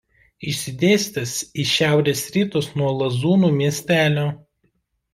Išsidėstęs į šiaurės rytus nuo Lazūnų miestelio.